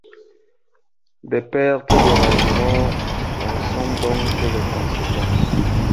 Des pertes de rendements en sont donc les conséquences.